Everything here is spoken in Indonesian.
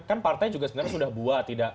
kan partai juga sebenarnya sudah buat